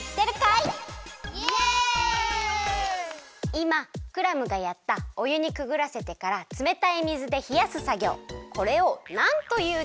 いまクラムがやったおゆにくぐらせてからつめたい水でひやすさぎょうこれをなんというでしょうか？